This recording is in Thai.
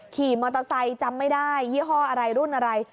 ขี่มอเตอร์ไซค์จำไม่ได้ยี่ห้ออะไรรุ่นอะไร